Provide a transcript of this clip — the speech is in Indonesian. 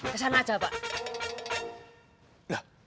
ke sana aja pak